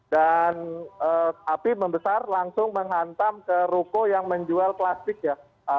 dan api membesar langsung menghantam ke ruko yang menjual plastik ya